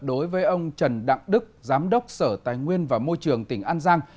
đối với ông trần đặng đức giám đốc sở tài nguyên và môi trường tỉnh an giang